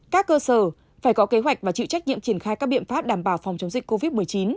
các cơ sở phải có kế hoạch và chịu trách nhiệm triển khai các biện pháp đảm bảo phòng chống dịch covid một mươi chín